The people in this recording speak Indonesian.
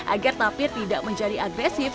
agar tapir tidak menjadi agresif